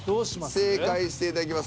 正解していただきます。